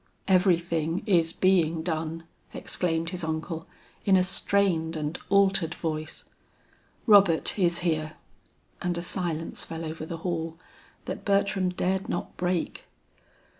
"Everything is being done," exclaimed his uncle in a strained and altered voice; "Robert is here." And a silence fell over the hall, that Bertram dared not break.